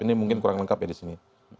ini mungkin kurang lengkap ya disini